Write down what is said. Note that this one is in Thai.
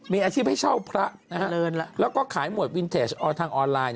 มีอาชีพให้เช่าพระแล้วก็ขายหมวดวินเทจทางออนไลน์